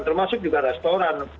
termasuk juga restoran